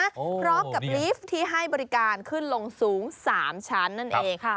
พร้อมกับลีฟที่ให้บริการขึ้นลงสูง๓ชั้นนั่นเองค่ะ